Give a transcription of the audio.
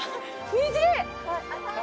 虹！